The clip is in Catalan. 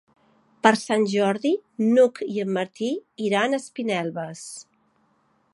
Per Sant Jordi n'Hug i en Martí iran a Espinelves.